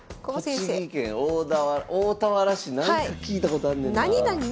栃木県大田原市なんか聞いたことあんねんな。